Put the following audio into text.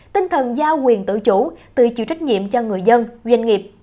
tinh thần giao quyền tự chủ tự chịu trách nhiệm cho người dân doanh nghiệp